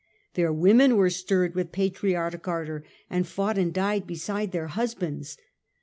Their women were stirred with patriotic ardour, and fought and died beside their husbands.